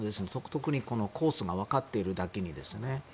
特にコースがわかっているだけにですね。